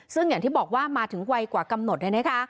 ซึ่งอย่างที่บอกว่ามาถึงไวกว่ากำหนดเลยนะคะ